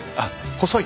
細い。